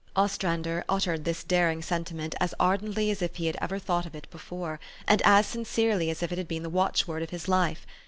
Os trander uttered this daring sentiment as ardently as if he had ever thought of it before, and as sincerely as if it had been the watchword of his life.